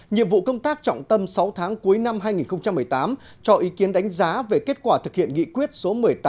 nhiệm vụ công tác trọng tâm sáu tháng cuối năm hai nghìn một mươi tám cho ý kiến đánh giá về kết quả thực hiện nghị quyết số một mươi tám